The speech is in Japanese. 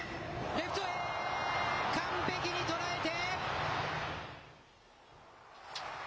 レフトへ、完璧に捉えて。